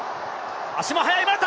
足も速いマルタ！